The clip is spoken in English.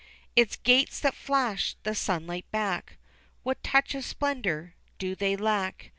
"Its gates that flash the sunlight back, What touch of splendor do they lack?